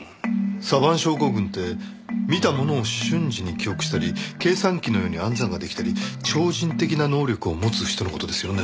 サヴァン症候群って見たものを瞬時に記憶したり計算機のように暗算が出来たり超人的な能力を持つ人の事ですよね？